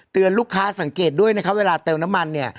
ลูกค้าสังเกตด้วยนะคะเวลาเติมน้ำมันเนี่ย